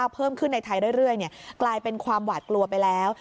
เพิ่มขึ้นในไทยเรื่อยกลายเป็นความหวาดกลัวไปแล้ว